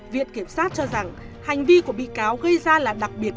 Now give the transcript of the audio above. viện kiểm sát cho rằng hành vi của bị cáo gây ra là đặc biệt